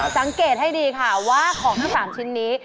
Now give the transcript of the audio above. สังเกตให้ดีค่ะว่าของทั้ง๓ชิ้นนี้